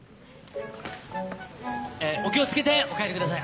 お気を付けてお帰りください